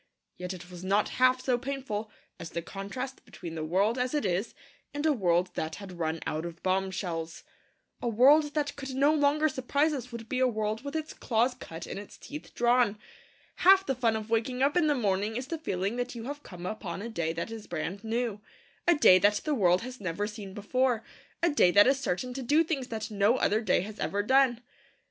Yet it was not half so painful as the contrast between the world as it is and a world that had run out of bombshells. A world that could no longer surprise us would be a world with its claws cut and its teeth drawn. Half the fun of waking up in the morning is the feeling that you have come upon a day that is brand new, a day that the world has never seen before, a day that is certain to do things that no other day has ever done.